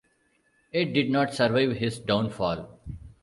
It did not survive his downfall.